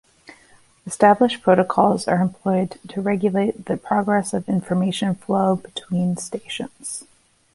Established protocols are employed to regulate the progress of information flow between stations.